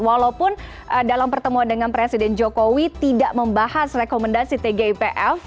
walaupun dalam pertemuan dengan presiden jokowi tidak membahas rekomendasi tgipf